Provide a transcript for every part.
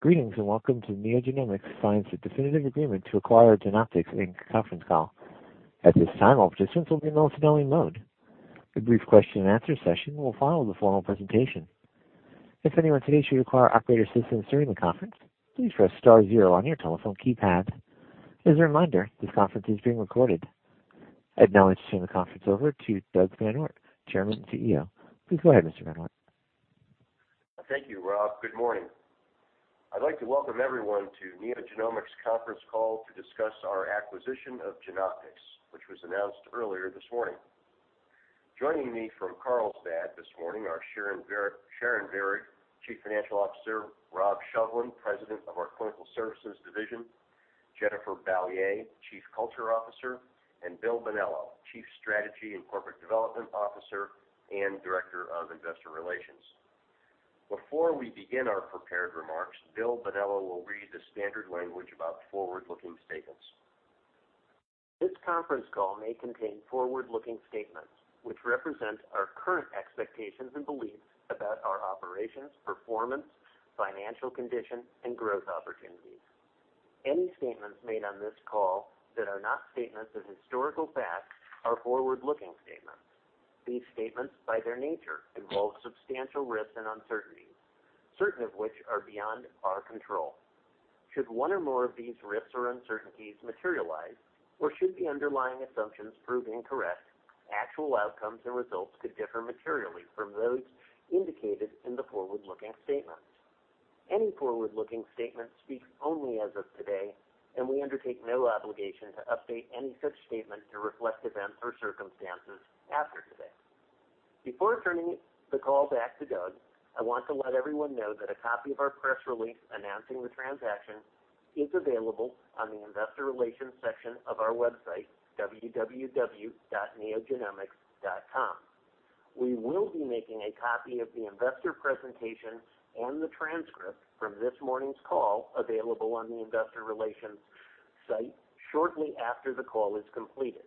Greetings, welcome to NeoGenomics Signs a Definitive Agreement to Acquire Genoptix Inc. conference call. At this time, all participants will be in listen-only mode. A brief question-and-answer session will follow the formal presentation. If anyone today should require operator assistance during the conference, please press star zero on your telephone keypad. As a reminder, this conference is being recorded. I'd now like to turn the conference over to Doug VanOort, Chairman and CEO. Please go ahead, Mr. VanOort. Thank you, Rob. Good morning. I'd like to welcome everyone to NeoGenomics' conference call to discuss our acquisition of Genoptix, which was announced earlier this morning. Joining me from Carlsbad this morning are Sharon Virag, Chief Financial Officer, Rob Shovlin, President of our Clinical Services division, Jennifer Balliet, Chief Culture Officer, and Bill Bonello, Chief Strategy and Corporate Development Officer and Director of Investor Relations. Before we begin our prepared remarks, Bill Bonello will read the standard language about forward-looking statements. This conference call may contain forward-looking statements, which represent our current expectations and beliefs about our operations, performance, financial condition, and growth opportunities. Any statements made on this call that are not statements of historical fact are forward-looking statements. These statements, by their nature, involve substantial risks and uncertainties, certain of which are beyond our control. Should one or more of these risks or uncertainties materialize, or should the underlying assumptions prove incorrect, actual outcomes and results could differ materially from those indicated in the forward-looking statements. Any forward-looking statements speak only as of today. We undertake no obligation to update any such statement to reflect events or circumstances after today. Before turning the call back to Doug, I want to let everyone know that a copy of our press release announcing the transaction is available on the investor relations section of our website, www.neogenomics.com. We will be making a copy of the investor presentation and the transcript from this morning's call available on the investor relations site shortly after the call is completed.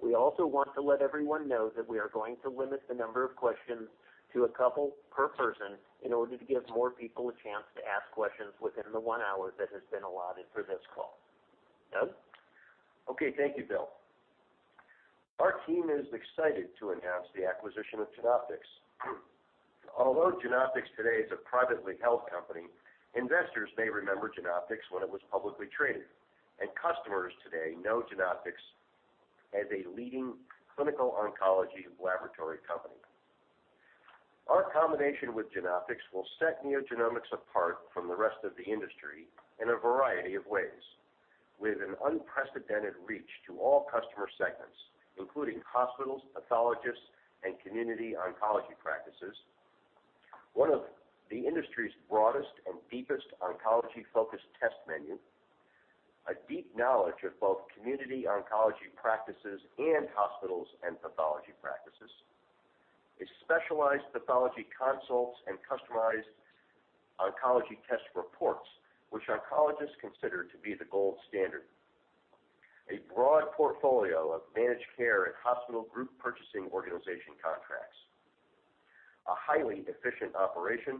We also want to let everyone know that we are going to limit the number of questions to a couple per person in order to give more people a chance to ask questions within the one hour that has been allotted for this call. Doug? Okay. Thank you, Bill. Our team is excited to announce the acquisition of Genoptix. Although Genoptix today is a privately held company, investors may remember Genoptix when it was publicly traded, and customers today know Genoptix as a leading clinical oncology laboratory company. Our combination with Genoptix will set NeoGenomics apart from the rest of the industry in a variety of ways, with an unprecedented reach to all customer segments, including hospitals, pathologists, and community oncology practices, one of the industry's broadest and deepest oncology-focused test menu, a deep knowledge of both community oncology practices and hospitals and pathology practices, a specialized pathology consults and customized oncology test reports, which oncologists consider to be the gold standard, a broad portfolio of managed care and hospital group purchasing organization contracts, a highly efficient operation,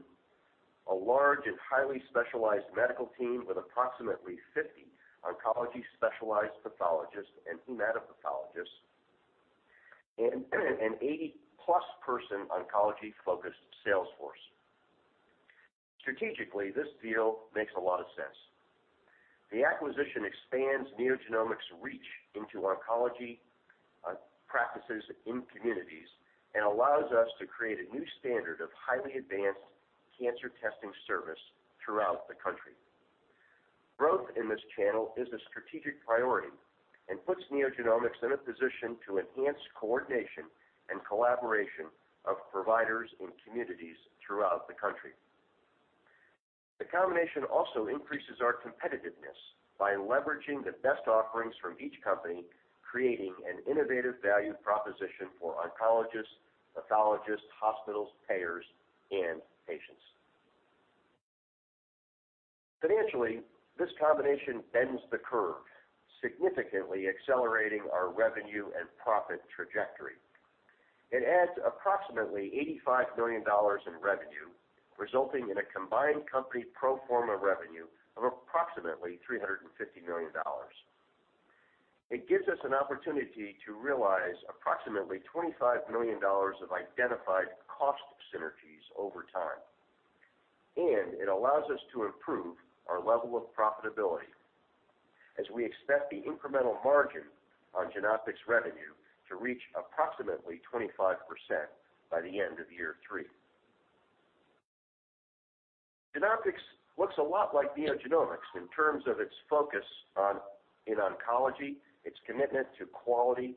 a large and highly specialized medical team with approximately 50 oncology-specialized pathologists and hematopathologists, and an 80+ person oncology-focused sales force. Strategically, this deal makes a lot of sense. The acquisition expands NeoGenomics' reach into oncology practices in communities and allows us to create a new standard of highly advanced cancer testing service throughout the country. Growth in this channel is a strategic priority and puts NeoGenomics in a position to enhance coordination and collaboration of providers in communities throughout the country. The combination also increases our competitiveness by leveraging the best offerings from each company, creating an innovative value proposition for oncologists, pathologists, hospitals, payers, and patients. Financially, this combination bends the curve, significantly accelerating our revenue and profit trajectory. It adds approximately $85 million in revenue, resulting in a combined company pro forma revenue of approximately $350 million. It gives us an opportunity to realize approximately $25 million of identified cost synergies over time, and it allows us to improve our level of profitability as we expect the incremental margin on Genoptix revenue to reach approximately 25% by the end of year three. Genoptix looks a lot like NeoGenomics in terms of its focus in oncology, its commitment to quality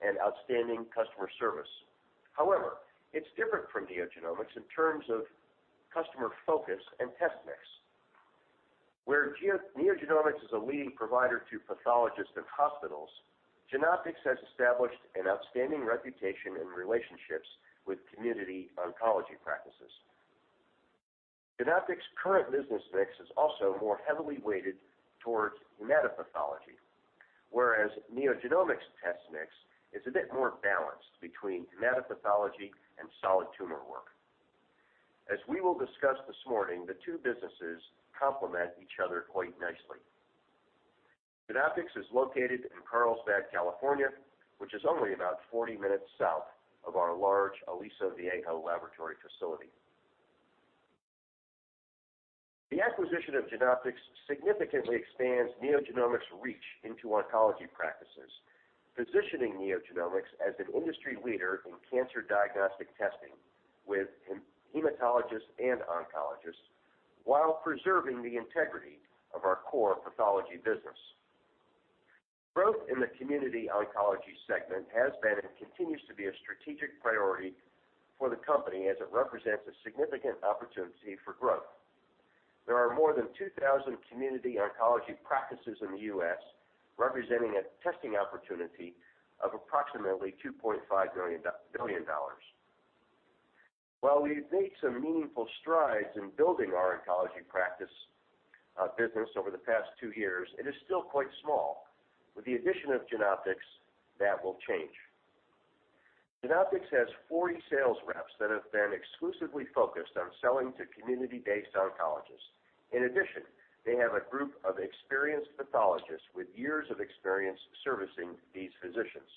and outstanding customer service. However, it's different from NeoGenomics in terms of customer focus and test mix. Where NeoGenomics is a leading provider to pathologists and hospitals, Genoptix has established an outstanding reputation and relationships with community oncology practices. Genoptix's current business mix is also more heavily weighted towards hematopathology. Whereas NeoGenomics' test mix is a bit more balanced between hematopathology and solid tumor work. As we will discuss this morning, the two businesses complement each other quite nicely. Genoptix is located in Carlsbad, California, which is only about 40 minutes south of our large Aliso Viejo laboratory facility. The acquisition of Genoptix significantly expands NeoGenomics' reach into oncology practices, positioning NeoGenomics as an industry leader in cancer diagnostic testing with hematologists and oncologists, while preserving the integrity of our core pathology business. Growth in the community oncology segment has been and continues to be a strategic priority for the company, as it represents a significant opportunity for growth. There are more than 2,000 community oncology practices in the U.S., representing a testing opportunity of approximately $2.5 billion. While we've made some meaningful strides in building our oncology practice business over the past two years, it is still quite small. With the addition of Genoptix, that will change. Genoptix has 40 sales reps that have been exclusively focused on selling to community-based oncologists. In addition, they have a group of experienced pathologists with years of experience servicing these physicians.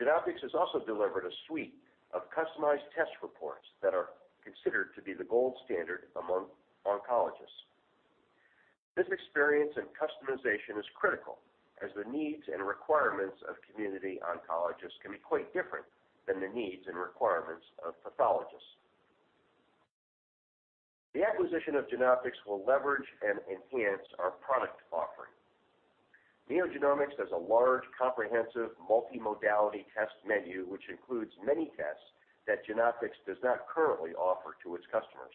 Genoptix has also delivered a suite of customized test reports that are considered to be the gold standard among oncologists. This experience in customization is critical, as the needs and requirements of community oncologists can be quite different than the needs and requirements of pathologists. The acquisition of Genoptix will leverage and enhance our product offering. NeoGenomics has a large, comprehensive, multi-modality test menu, which includes many tests that Genoptix does not currently offer to its customers.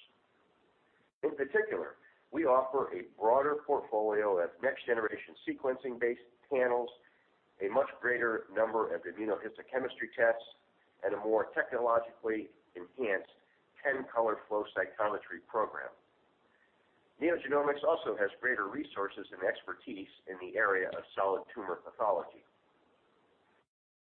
In particular, we offer a broader portfolio of next-generation sequencing-based panels, a much greater number of immunohistochemistry tests, and a more technologically enhanced 10-color flow cytometry program. NeoGenomics also has greater resources and expertise in the area of solid tumor pathology.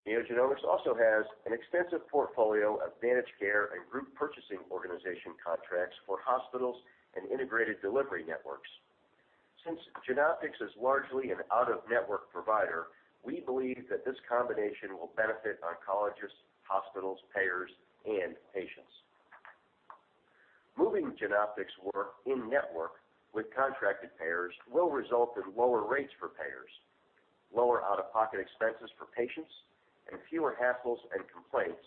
NeoGenomics also has an extensive portfolio of managed care and group purchasing organization contracts for hospitals and integrated delivery networks. Since Genoptix is largely an out-of-network provider, we believe that this combination will benefit oncologists, hospitals, payers, and patients. Moving Genoptix work in-network with contracted payers will result in lower rates for payers, lower out-of-pocket expenses for patients, and fewer hassles and complaints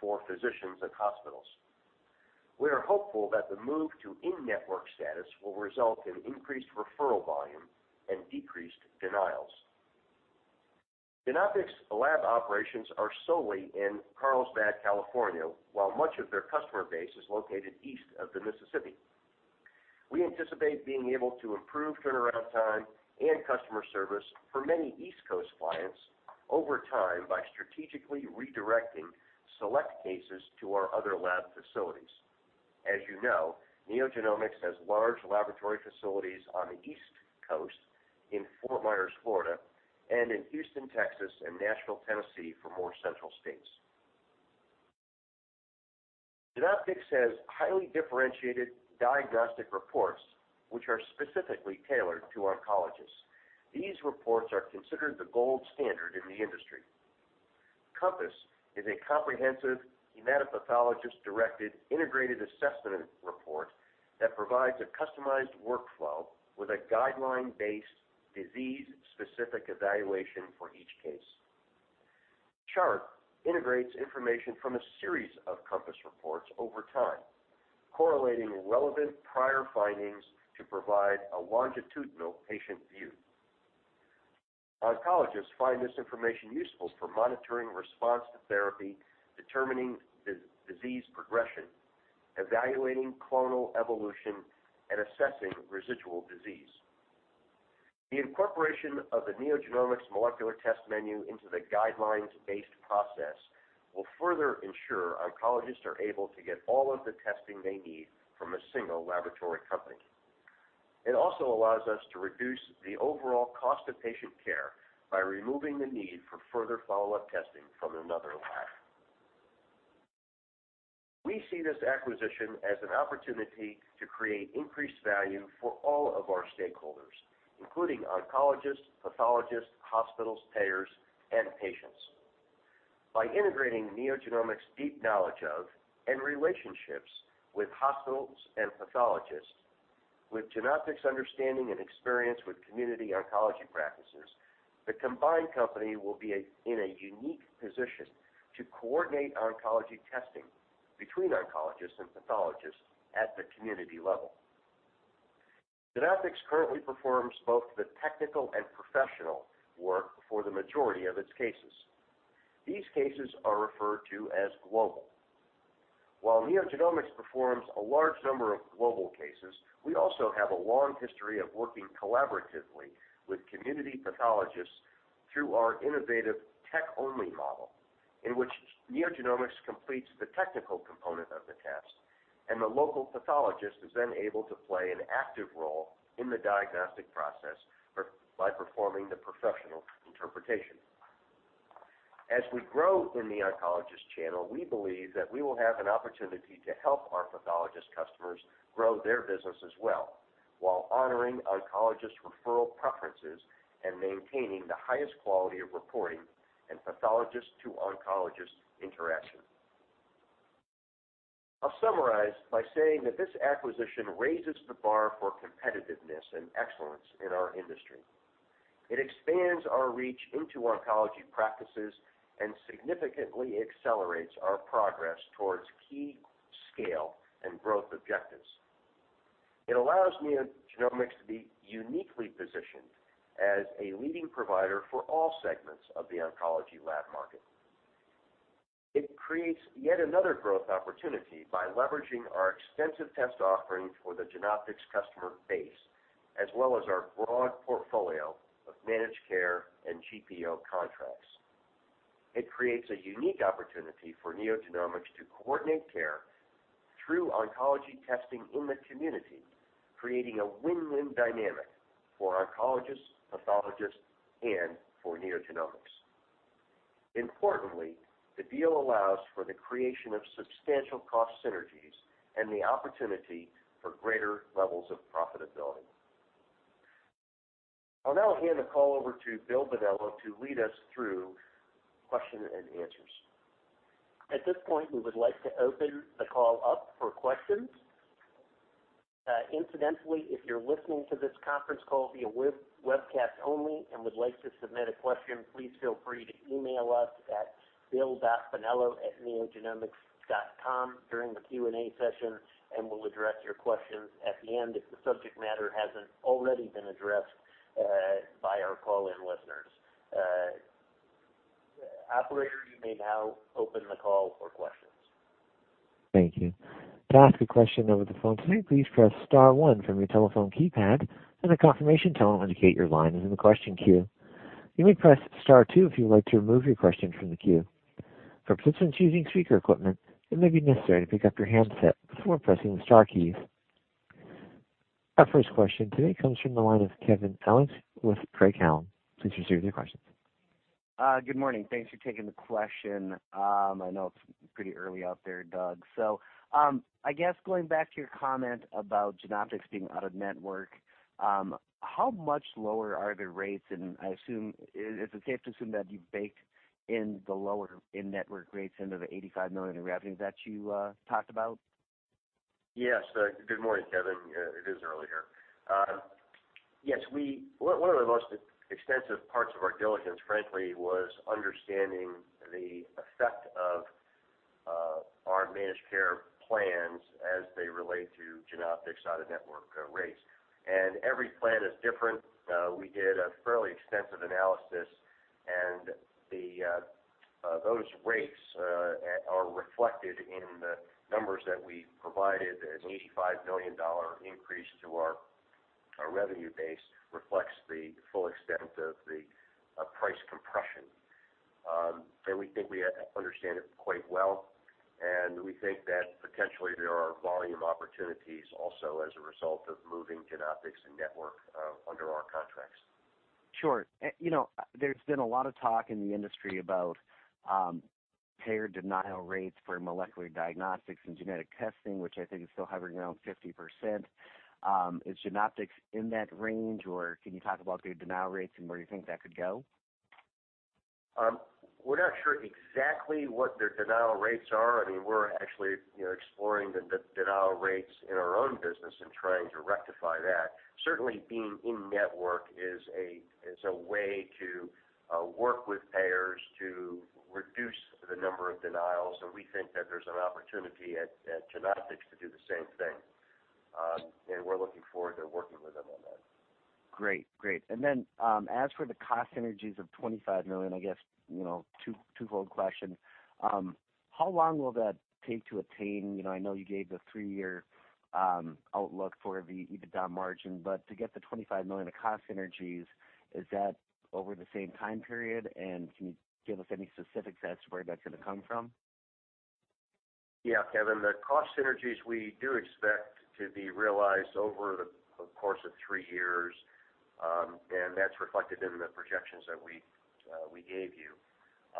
for physicians and hospitals. We are hopeful that the move to in-network status will result in increased referral volume and decreased denials. Genoptix lab operations are solely in Carlsbad, California, while much of their customer base is located east of the Mississippi. We anticipate being able to improve turnaround time and customer service for many East Coast clients over time by strategically redirecting select cases to our other lab facilities. As you know, NeoGenomics has large laboratory facilities on the East Coast, in Fort Myers, Florida, and in Houston, Texas, and Nashville, Tennessee, for more central states. Genoptix has highly differentiated diagnostic reports, which are specifically tailored to oncologists. These reports are considered the gold standard in the industry. COMPASS is a comprehensive, hematopathologist-directed integrated assessment report that provides a customized workflow with a guideline-based, disease-specific evaluation for each case. CHART integrates information from a series of COMPASS reports over time, correlating relevant prior findings to provide a longitudinal patient view. Oncologists find this information useful for monitoring response to therapy, determining disease progression, evaluating clonal evolution, and assessing residual disease. The incorporation of the NeoGenomics molecular test menu into the guidelines-based process will further ensure oncologists are able to get all of the testing they need from a single laboratory company. It also allows us to reduce the overall cost of patient care by removing the need for further follow-up testing from another lab. We see this acquisition as an opportunity to create increased value for all of our stakeholders, including oncologists, pathologists, hospitals, payers, and patients. By integrating NeoGenomics' deep knowledge of and relationships with hospitals and pathologists with Genoptix's understanding and experience with community oncology practices, the combined company will be in a unique position to coordinate oncology testing between oncologists and pathologists at the community level. Genoptix currently performs both the technical and professional work for the majority of its cases. These cases are referred to as global. While NeoGenomics performs a large number of global cases, we also have a long history of working collaboratively with community pathologists through our innovative tech-only model, in which NeoGenomics completes the technical component of the test and the local pathologist is then able to play an active role in the diagnostic process by performing the professional interpretation. As we grow in the oncologist channel, we believe that we will have an opportunity to help our pathologist customers grow their business as well while honoring oncologist referral preferences and maintaining the highest quality of reporting and pathologist-to-oncologist interaction. I'll summarize by saying that this acquisition raises the bar for competitiveness and excellence in our industry. It expands our reach into oncology practices and significantly accelerates our progress towards key scale and growth objectives. It allows NeoGenomics to be uniquely positioned as a leading provider for all segments of the oncology lab market. It creates yet another growth opportunity by leveraging our extensive test offering for the Genoptix customer base, as well as our broad portfolio of managed care and GPO contracts. It creates a unique opportunity for NeoGenomics to coordinate care through oncology testing in the community, creating a win-win dynamic for oncologists, pathologists, and for NeoGenomics. Importantly, the deal allows for the creation of substantial cost synergies and the opportunity for greater levels of profitability. I'll now hand the call over to Bill Bonello to lead us through question and answers. At this point, we would like to open the call up for questions. Incidentally, if you're listening to this conference call via webcast only and would like to submit a question, please feel free to email us at bill.bonello@neogenomics.com during the Q&A session, and we'll address your questions at the end if the subject matter hasn't already been addressed by our call-in listeners. Operator, you may now open the call for questions. Thank you. To ask a question over the phone today, please press star one from your telephone keypad, and a confirmation tone will indicate your line is in the question queue. You may press star two if you would like to remove your question from the queue. For participants using speaker equipment, it may be necessary to pick up your handset before pressing the star keys. Our first question today comes from the line of Kevin Harris with Craig-Hallum. Please proceed with your questions. Good morning. Thanks for taking the question. I know it's pretty early out there, Doug. I guess going back to your comment about Genoptix being out-of-network, how much lower are the rates? Is it safe to assume that you've baked in the lower in-network rates into the $85 million in revenue that you talked about? Yes. Good morning, Kevin. It is early here. Yes. One of the most extensive parts of our diligence, frankly, was understanding the effect of our managed care plans as they relate to Genoptix out-of-network rates. Every plan is different. We did a fairly extensive analysis, and those rates are reflected in the numbers that we provided. An $85 million increase to our revenue base reflects the full extent of the price compression. We think we understand it quite well, and we think that potentially there are volume opportunities also as a result of moving Genoptix in-network under our contracts. Sure. There's been a lot of talk in the industry about payer denial rates for molecular diagnostics and genetic testing, which I think is still hovering around 50%. Is Genoptix in that range, or can you talk about their denial rates and where you think that could go? We're not sure exactly what their denial rates are. I mean, we're actually exploring the denial rates in our own business and trying to rectify that. Certainly, being in-network is a way to work with payers to reduce the number of denials, and we think that there's an opportunity at Genoptix to do the same thing. We're looking forward to working with them on that. Great. As for the cost synergies of $25 million, I guess, two-fold question. How long will that take to attain? I know you gave the three-year outlook for the EBITDA margin, but to get the $25 million of cost synergies, is that over the same time period? Can you give us any specifics as to where that's going to come from? Yeah, Kevin. The cost synergies we do expect to be realized over the course of three years, and that's reflected in the projections that we gave you.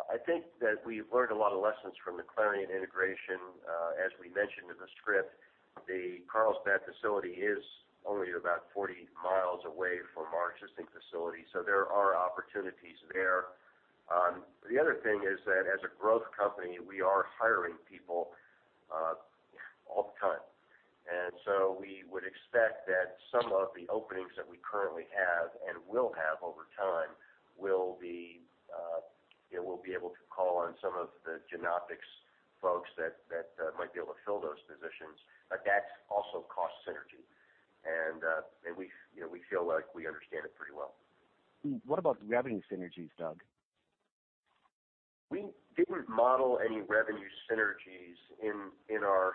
I think that we've learned a lot of lessons from the Clarient integration. As we mentioned in the script, the Carlsbad facility is only about 40 mi away from our existing facility, so there are opportunities there. The other thing is that as a growth company, we are hiring people all the time. We would expect that some of the openings that we currently have and will have over time, we'll be able to call on some of the Genoptix folks that might be able to fill those positions. That's also cost synergy. We feel like we understand it pretty well. What about the revenue synergies, Doug? We didn't model any revenue synergies in our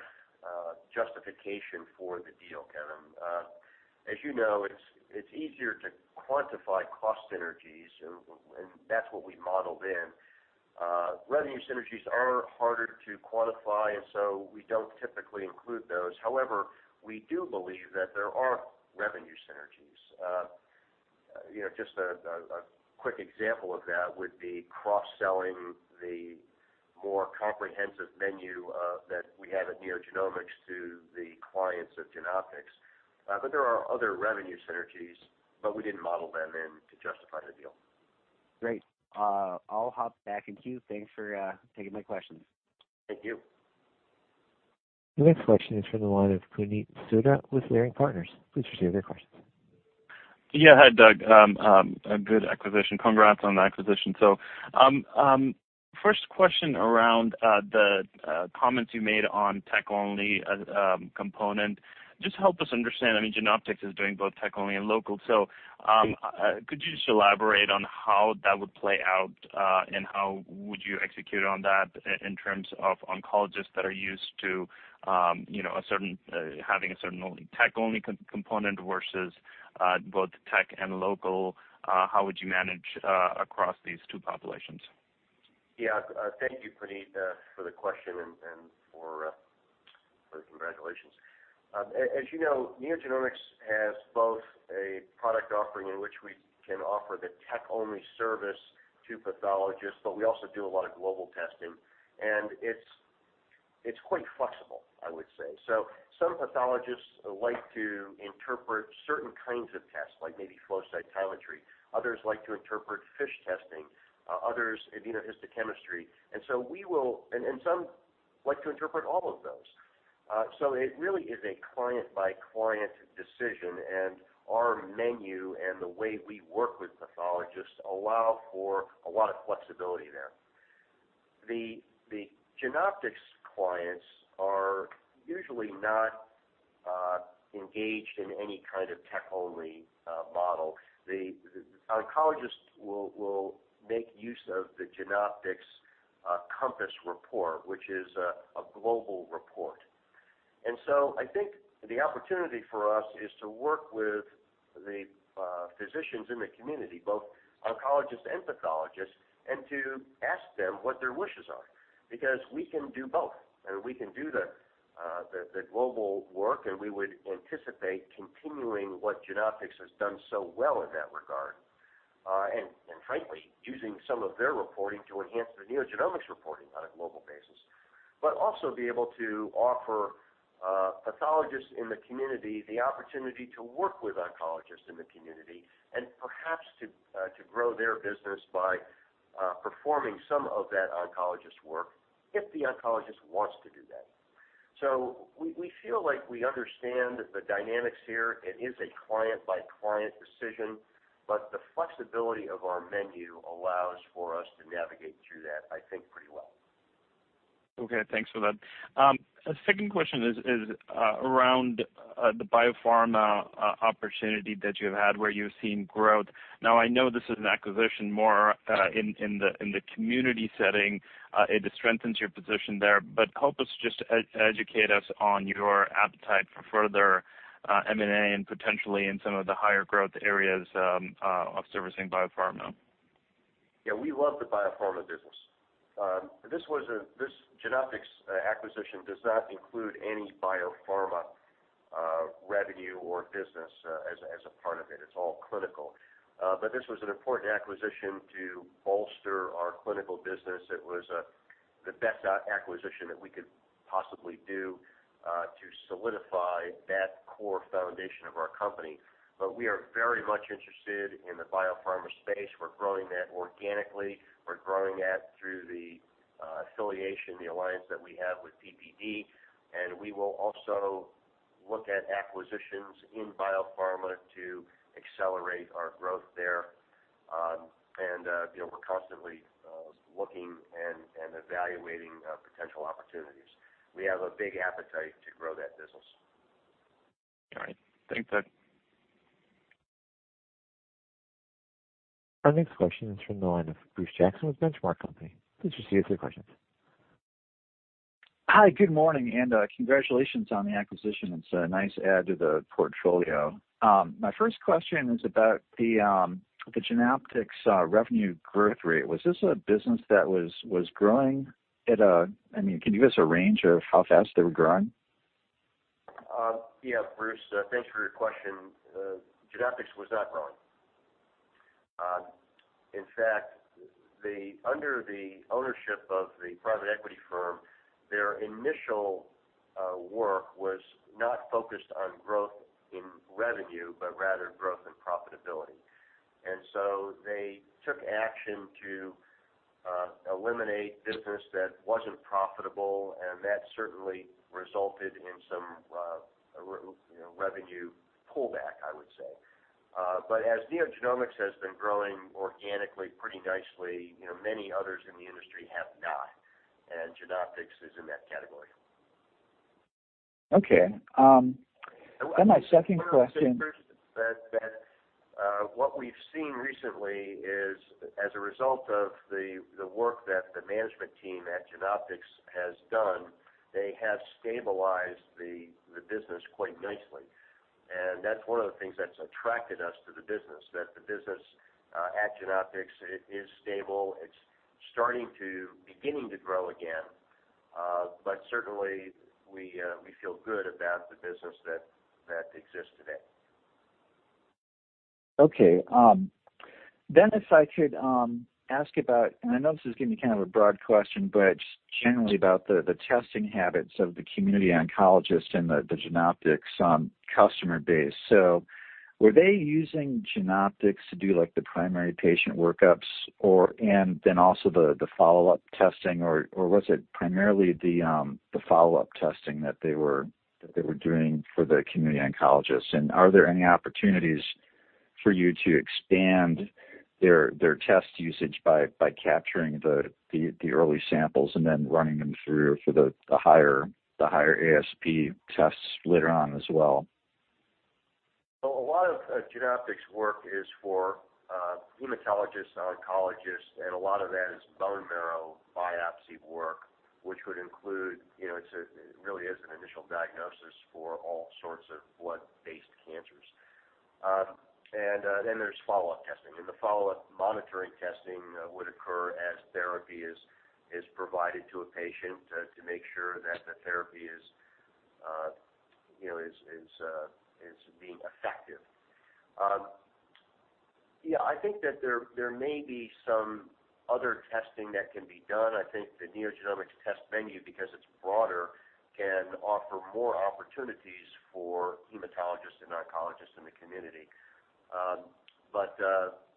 justification for the deal, Kevin. As you know, it's easier to quantify cost synergies, and that's what we modeled in. Revenue synergies are harder to quantify, so we don't typically include those. However, we do believe that there are revenue synergies. Just a quick example of that would be cross-selling the more comprehensive menu that we have at NeoGenomics to the clients of Genoptix. There are other revenue synergies, but we didn't model them in to justify the deal. Great. I'll hop back in queue. Thanks for taking my questions. Thank you. The next question is from the line of Puneet Souda with Leerink Partners. Please proceed with your questions. Hi, Doug. A good acquisition. Congrats on the acquisition. First question around the comments you made on tech-only component. Help us understand, Genoptix is doing both tech-only and local, could you just elaborate on how that would play out, and how would you execute on that in terms of oncologists that are used to having a certain tech-only component versus both tech and local? How would you manage across these two populations? Yeah. Thank you, Puneet, for the question and for the congratulations. As you know, NeoGenomics has both a product offering in which we can offer the tech-only service to pathologists, but we also do a lot of global testing, and it's quite flexible, I would say. Some pathologists like to interpret certain kinds of tests, like maybe flow cytometry. Others like to interpret FISH testing, others immunohistochemistry. Some like to interpret all of those. It really is a client-by-client decision, and our menu and the way we work with pathologists allow for a lot of flexibility there. The Genoptix clients are usually not engaged in any kind of tech-only model. The oncologist will make use of the Genoptix COMPASS report, which is a global report. I think the opportunity for us is to work with the physicians in the community, both oncologists and pathologists, and to ask them what their wishes are, because we can do both, and we can do the global work, and we would anticipate continuing what Genoptix has done so well in that regard, and frankly, using some of their reporting to enhance the NeoGenomics reporting on a global basis. Also be able to offer pathologists in the community the opportunity to work with oncologists in the community and perhaps to grow their business by performing some of that oncologist work if the oncologist wants to do that. We feel like we understand the dynamics here. It is a client-by-client decision, but the flexibility of our menu allows for us to navigate through that, I think pretty well. Okay, thanks for that. Second question is around the biopharma opportunity that you have had where you've seen growth. Now, I know this is an acquisition more in the community setting. It strengthens your position there, but help us, just educate us on your appetite for further M&A and potentially in some of the higher growth areas of servicing biopharma. Yeah, we love the biopharma business. This Genoptix acquisition does not include any biopharma revenue or business as a part of it. It's all clinical. This was an important acquisition to bolster our clinical business. It was the best acquisition that we could possibly do to solidify that core foundation of our company. We are very much interested in the biopharma space. We're growing that organically. We're growing that through the affiliation, the alliance that we have with PPD, and we will also look at acquisitions in biopharma to accelerate our growth there. We're constantly looking and evaluating potential opportunities. We have a big appetite to grow that business. All right, thanks, Doug. Our next question is from the line of Bruce Jackson with The Benchmark Company. Please proceed with your questions. Hi, good morning, and congratulations on the acquisition. It's a nice add to the portfolio. My first question is about the Genoptix revenue growth rate. Was this a business that was growing at can you give us a range of how fast they were growing? Yeah, Bruce, thanks for your question. Genoptix was not growing. In fact, under the ownership of the private equity firm, their initial work was not focused on growth in revenue, but rather growth in profitability. So they took action to eliminate business that wasn't profitable, and that certainly resulted in some revenue pullback, I would say. As NeoGenomics has been growing organically pretty nicely, many others in the industry have not, and Genoptix is in that category. Okay. My second question. What we've seen recently is, as a result of the work that the management team at Genoptix has done, they have stabilized the business quite nicely. That's one of the things that's attracted us to the business, that the business at Genoptix is stable. It's beginning to grow again. Certainly, we feel good about the business that exists today. Okay. If I could ask about, I know this is going to be kind of a broad question, but just generally about the testing habits of the community oncologist and the Genoptix customer base. Were they using Genoptix to do the primary patient workups and then also the follow-up testing, or was it primarily the follow-up testing that they were doing for the community oncologists? Are there any opportunities for you to expand their test usage by capturing the early samples and then running them through for the higher ASP tests later on as well? A lot of Genoptix work is for hematologists and oncologists, a lot of that is bone marrow biopsy work, which would include, it really is an initial diagnosis for all sorts of blood-based cancers. There's follow-up testing. The follow-up monitoring testing would occur as therapy is provided to a patient to make sure that the therapy is being effective. Yeah, I think that there may be some other testing that can be done. I think the NeoGenomics test menu, because it's broader, can offer more opportunities for hematologists and oncologists in the community.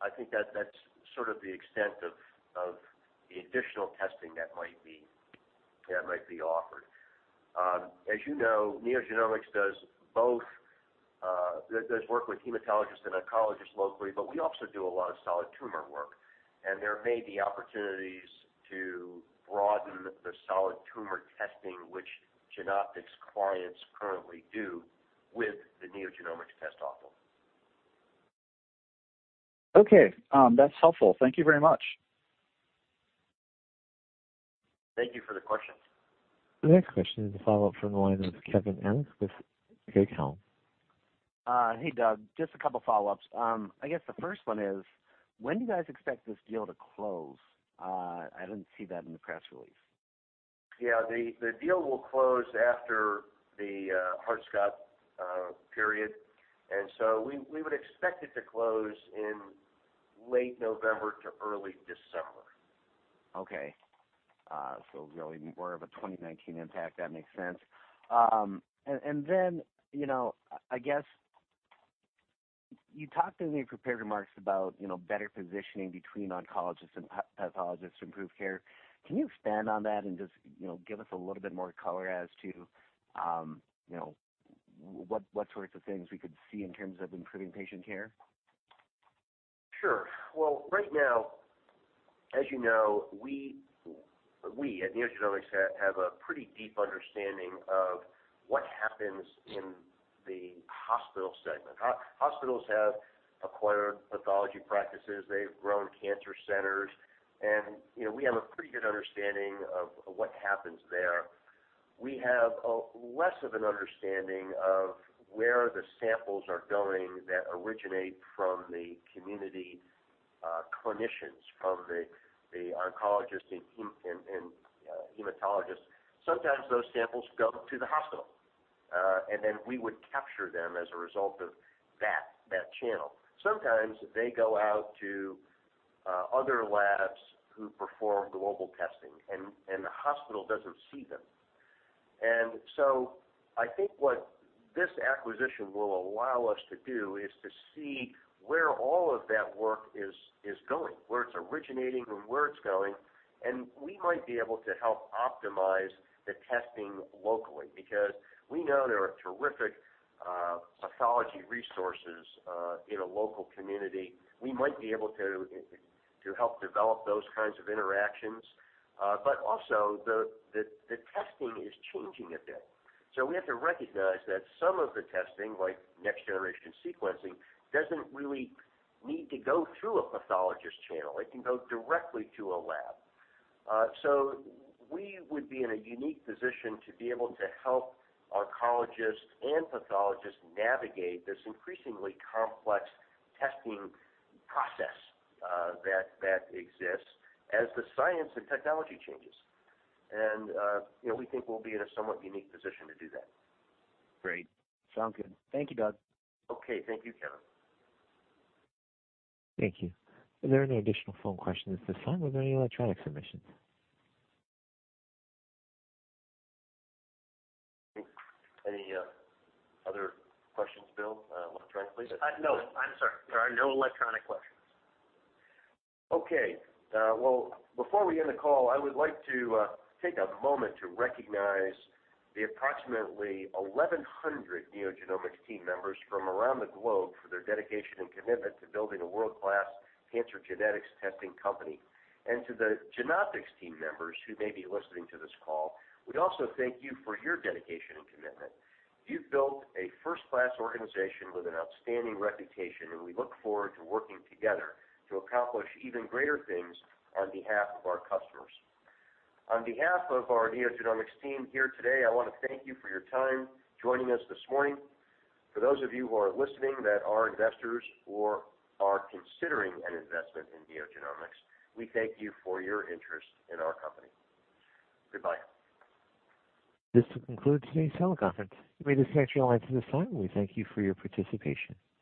I think that's sort of the extent of the additional testing that might be offered. As you know, NeoGenomics does work with hematologists and oncologists locally, but we also do a lot of solid tumor work, and there may be opportunities to broaden the solid tumor testing, which Genoptix clients currently do with the NeoGenomics test offer. Okay. That's helpful. Thank you very much. Thank you for the question. The next question is a follow-up from the line of Kevin Harris with Craig-Hallum. Hey, Doug. Just a couple follow-ups. I guess the first one is, when do you guys expect this deal to close? I didn't see that in the press release. The deal will close after the Hart-Scott-Rodino period, so we would expect it to close in late November to early December. Okay. Really more of a 2019 impact. That makes sense. Then I guess you talked in the prepared remarks about better positioning between oncologists and pathologists to improve care. Can you expand on that and just give us a little bit more color as to what sorts of things we could see in terms of improving patient care? Sure. Right now, as you know, we at NeoGenomics have a pretty deep understanding of what happens in the hospital segment. Hospitals have acquired pathology practices. They've grown cancer centers, we have a pretty good understanding of what happens there. We have less of an understanding of where the samples are going that originate from the community clinicians, from the oncologists and hematologists. Sometimes those samples go to the hospital, then we would capture them as a result of that channel. Sometimes they go out to other labs who perform global testing, the hospital doesn't see them. I think what this acquisition will allow us to do is to see where all of that work is going, where it's originating and where it's going, and we might be able to help optimize the testing locally because we know there are terrific pathology resources in a local community. We might be able to help develop those kinds of interactions. Also the testing is changing a bit. We have to recognize that some of the testing, like next-generation sequencing, doesn't really need to go through a pathologist channel. It can go directly to a lab. We would be in a unique position to be able to help oncologists and pathologists navigate this increasingly complex testing process that exists as the science and technology changes. We think we'll be in a somewhat unique position to do that. Great. Sound good. Thank you, Doug. Okay. Thank you, Kevin. Thank you. Are there any additional phone questions this time or are there any electronic submissions? Any other questions, Bill? Electronic, please. No. I'm sorry. There are no electronic questions. Okay. Well, before we end the call, I would like to take a moment to recognize the approximately 1,100 NeoGenomics team members from around the globe for their dedication and commitment to building a world-class cancer genetics testing company. To the Genoptix team members who may be listening to this call, we also thank you for your dedication and commitment. You've built a first-class organization with an outstanding reputation. We look forward to working together to accomplish even greater things on behalf of our customers. On behalf of our NeoGenomics team here today, I want to thank you for your time joining us this morning. For those of you who are listening that are investors or are considering an investment in NeoGenomics, we thank you for your interest in our company. Goodbye. This will conclude today's teleconference. You may disconnect your lines at this time. We thank you for your participation.